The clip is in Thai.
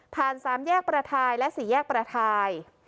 สามแยกประทายและ๔แยกประทาย